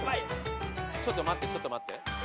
ちょっと待ってちょっと待って。